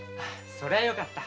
そりゃよかった。